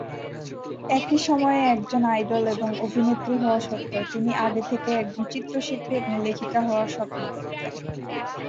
একই সময়ে একজন আইডল এবং অভিনেত্রী হওয়া সত্ত্বেও, তিনি আগে থেকেই একজন চিত্রশিল্পী এবং লেখিকা হওয়ার স্বপ্ন দেখতেন।